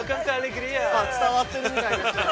◆伝わってるみたいですね。